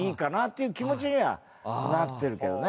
いう気持ちにはなってるけどね。